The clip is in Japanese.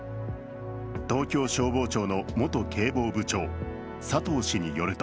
東京消防庁の元警防部長佐藤氏によると